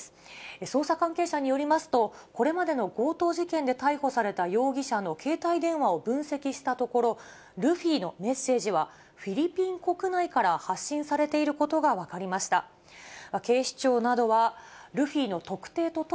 捜査関係者によりますと、これまでの強盗事件で逮捕された容疑者の携帯電話を分析したところ、ルフィのメッセージは、フィリピン国内から発信されていることが分かりました。